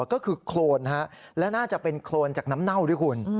ก็คือโครนและน่าจะเป็นโครนจากน้ำเน่าด้วยคุณ